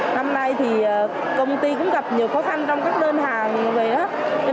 năm nay thì công ty cũng gặp nhiều khó khăn trong các đơn hàng về